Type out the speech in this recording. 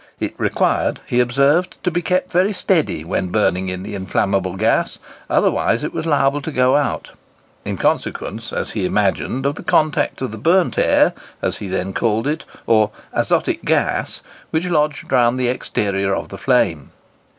It required, he observed, to be kept very steady when burning in the inflammable gas, otherwise it was liable to go out, in consequence, as he imagined, of the contact of the burnt air (as he then called it), or azotic gas, which lodged round the exterior of the flame.